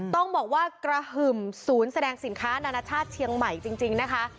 ต้องบอกว่ากระหึ่มศูนย์แสดงสินค้านานาชาติเชียงใหม่จริงนะคะ